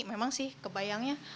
memang sih kebayangnya